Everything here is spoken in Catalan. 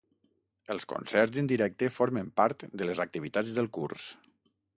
Els concerts en directe formen part de les activitats del curs.